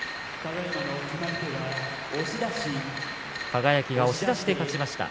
輝が押し出しで勝ちました。